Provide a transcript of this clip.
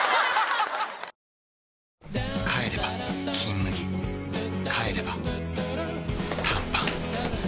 帰れば「金麦」帰れば短パン